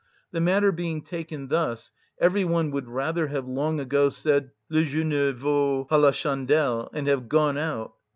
The matter being taken thus, every one would rather have long ago said, "Le jeu ne vaut pas la chandelle," and have gone out.